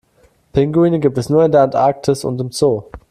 Pinguine gibt es nur in der Antarktis und im Zoo.